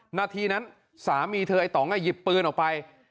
นาทีนั้นสามีเธอไอ้ต่องหยิบปืนออกไป